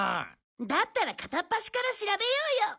だったら片っ端から調べようよ！